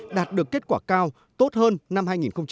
đạt được kết quả cao tốt hơn năm hai nghìn một mươi tám